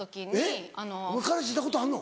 えっお前彼氏いたことあんの？